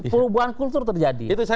perubahan kultur terjadi